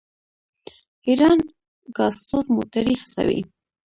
ایران ګازسوز موټرې هڅوي.